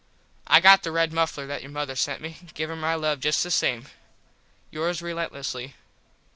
I got the red muffler that your mother sent me. Give her my love just the same yours relentlessly, Bill.